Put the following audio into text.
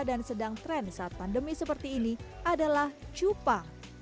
dan sedang tren saat pandemi seperti ini adalah cupang